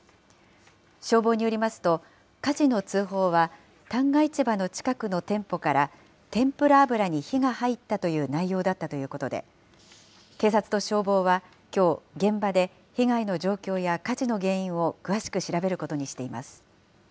消防によりますと、火事の通報は、旦過市場の近くの店舗から、天ぷら油に火が入ったという内容だったということで、警察と消防はきょう、現場で被害の状況や火事の原因を詳しく調べることにしています。